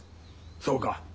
そうか。